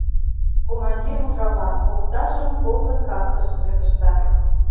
Командир ужала, оксажым полкын кассышкыже пышта....